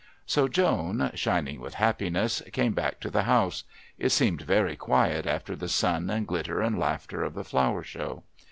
So Joan, shining with happiness, came back to the house. It seemed very quiet after the sun and glitter and laughter of the Flower Show.